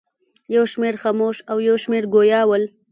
یو شمېر خموش او یو شمېر ګویا ول.